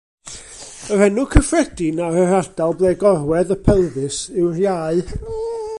Yr enw cyffredin ar yr ardal ble gorwedd y pelfis yw'r iau.